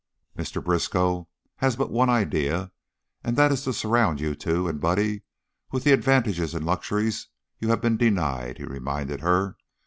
"Mr. Briskow has but one idea, and that is to surround you two, and Buddy, with the advantages and luxuries you have been denied," he reminded her.